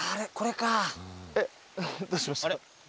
えっどうしました？